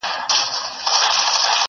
سل ځله مي خپل کتاب له ده سره کتلی دی!!